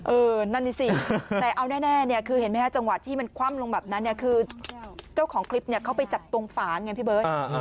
นั่นนี่สิแต่เอาแน่เนี่ยคือเห็นไหมฮะจังหวะที่มันคว่ำลงแบบนั้นเนี่ยคือเจ้าของคลิปเขาไปจับตรงฝานไงพี่เบิร์ต